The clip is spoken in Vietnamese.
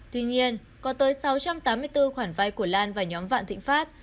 tuy nhiên có tới sáu trăm tám mươi bốn khoản vay của lan và nhóm vạn thịnh pháp